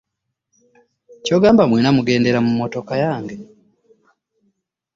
Kyogamba mwena mugendera mu mmotoka yange.